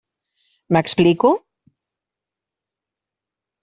M'explico?